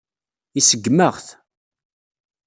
Iseggem-aɣ-t.